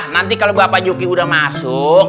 nanti kalau bapak joki udah masuk